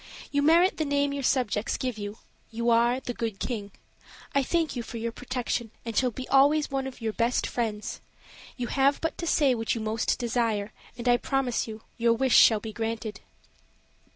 You merit the name your subjects give you: you are the Good King. I thank you for your protection, and shall be always one of your best friends. You have but to say what you most desire, and I promise you your wish shall be granted."